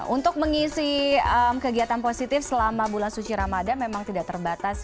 untuk mengisi kegiatan positif selama bulan suci ramadan memang tidak terbatas